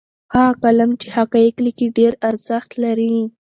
هغه قلم چې حقایق لیکي ډېر ارزښت لري.